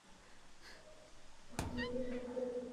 পরাণকে সাক্ষ্য দিতে যাইতে হইবে।